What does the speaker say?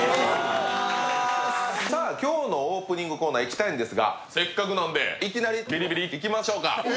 さあ今日のオープニングコーナーいきたいんですが、せっかくなんで、いきなりビリビリいきましょうか。